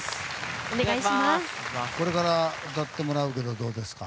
これから歌ってもらうけどどうですか？